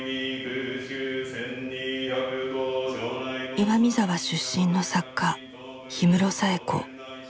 岩見沢出身の作家氷室冴子。